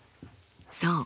そう。